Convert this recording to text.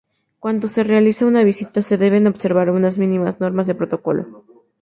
Cuando se realiza una visita se deben observar unas mínimas normas de protocolo.